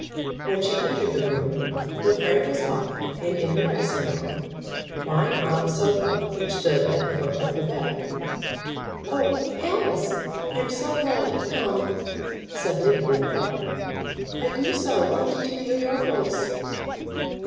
When she entered the room, her friend was up and in her dressing gown, lying on a sofa which stood at the foot of the bed. "Oh, Alice, I'm so glad you've come," said Lady Glencora. "I do so want to hear your voice."